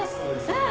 うん。